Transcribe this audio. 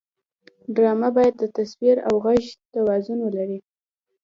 ډرامه باید د تصویر او غږ توازن ولري